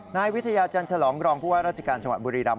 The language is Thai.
นายวิทยาจันทรองรองผู้ว่าราชการจังหวัดบุรีรำ